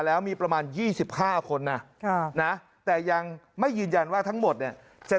แล้วมีประมาณ๒๕คนนะแต่ยังไม่ยืนยันว่าทั้งหมดเนี่ยจะ